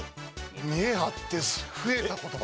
見栄張って増えた言葉。